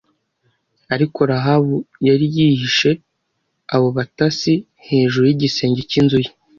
Ariko Rahabu yari yahishe abo batasi hejuru y’igisenge cy’inzu ye